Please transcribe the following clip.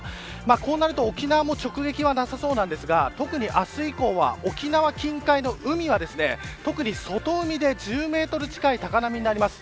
こうなると沖縄も直撃はなさそうなんですが特に明日以降は、沖縄近海の海は外海で１０メートル近い高波になります。